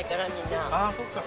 ああそっか。